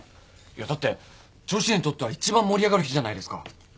いやだって女子にとっては一番盛り上がる日じゃないですか。